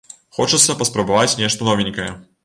Хочацца паспрабаваць нешта новенькае!